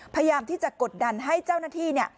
พยายามที่จะกดดันให้เจ้าหน้าที่เนี่ย